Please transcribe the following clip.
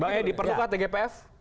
pak edi perlukan tgpf